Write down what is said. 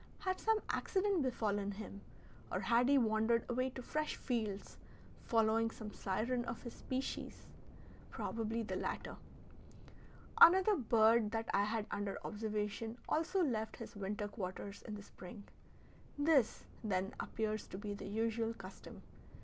Had some accident befallen him, or had he wandered away to fresh fields, following some siren of his species? Probably the latter. Another bird that I had under observation also left his winter quarters in the spring. This, then, appears to be the usual custom.